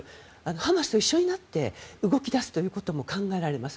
ハマスと一緒になって動き出すということも考えられます。